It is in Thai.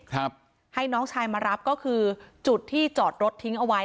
ครับให้น้องชายมารับก็คือจุดที่จอดรถทิ้งเอาไว้